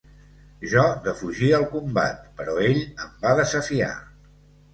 Jo defugia el combat, però ell em va desafiar.